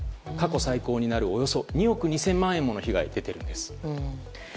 過去最高になるおよそ２億２０００万円もの被害が出ています。